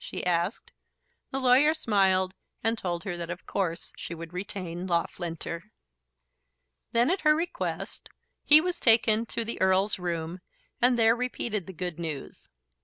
she asked. The lawyer smiled, and told her that of course she would retain Loughlinter. Then, at her request, he was taken to the Earl's room and there repeated the good news.